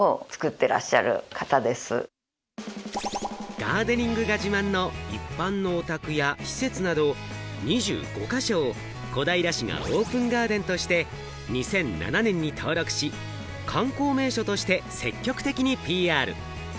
ガーデニングが自慢の一般のお宅や施設など、２５か所を小平市がオープンガーデンとして２００７年に登録し、観光名所として積極的にＰＲ。